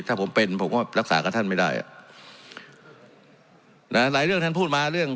ถ้าผมเป็นผมก็รักษากับท่านไม่ได้อ่ะนะหลายเรื่องท่านพูดมาเรื่อง